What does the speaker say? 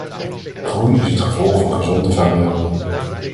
Groei is het gevolg van gezonde variabelen.